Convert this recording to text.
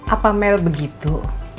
apa mel begitu